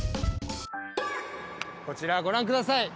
こちらご覧下さい。